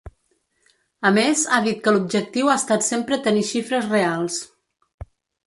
A més, ha dit que l’objectiu ha estat sempre tenir xifres reals.